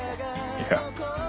いや。